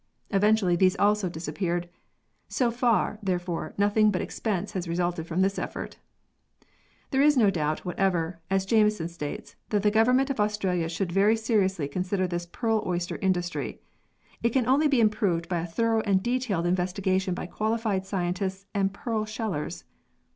Eventually these also disappeared. So far, therefore, nothing but expense has resulted from this effort. There is no doubt whatever, as Jameson states, that the Government of Australia should very seriously consider this pearl oyster industry. It can only be improved by a thorough and detailed in vestigation by qualified scientists and pearl shellers.